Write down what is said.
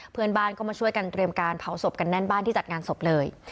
เพื่อนบ้านก็มาช่วยกันเตรียมการเผาศพกันแน่นบ้านที่จัดงานศพเลย